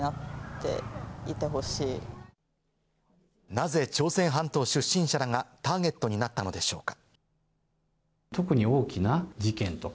なぜ朝鮮半島出身者らがターゲットになったのでしょうか。